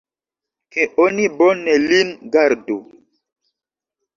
Ke oni bone lin gardu!